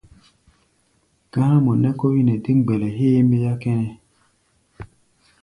Gá̧á̧mɔ nɛ́ kó wí nɛ dé mgbɛlɛ héémbéá kʼɛ́nɛ́.